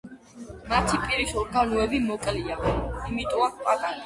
მათი პირის ორგანოები მოკლეა.